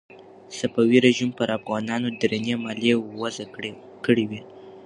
صفوي رژیم پر افغانانو درنې مالیې وضع کړې وې.